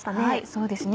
そうですね。